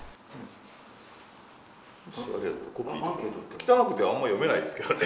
汚くてあんま読めないですけどね